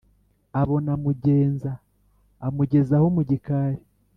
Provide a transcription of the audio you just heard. abona mugenza amugezeho mugikari